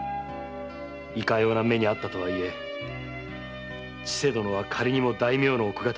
いかような目に遭ったとはいえ千世殿は仮にも大名の奥方。